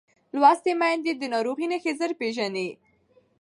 لوستې میندې د ناروغۍ نښې ژر پېژني.